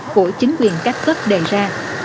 của chính quyền các cấp đề ra